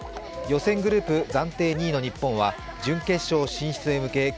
予選グループ暫定２位の日本は準決勝進出に向け